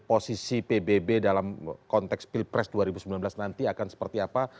posisi pbb dalam konteks pilpres dua ribu sembilan belas nanti akan seperti apa